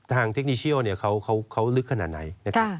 ทางเทคโนโลยีเนี่ยเค้าลึกขนาดไหน